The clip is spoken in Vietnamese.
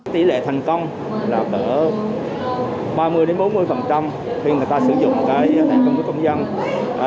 tỷ lệ thành công là ba mươi bốn mươi khi người ta sử dụng thẻ bảo hiểm y tế công dân